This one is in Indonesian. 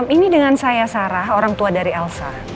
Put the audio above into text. ini dengan saya sarah orang tua dari elsa